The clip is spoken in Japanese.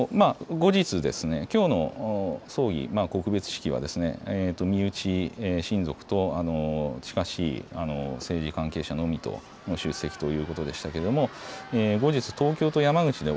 きょうの告別式は身内、親族と近しい政治関係者のみの出席ということでしたけれども後日、東京と山口で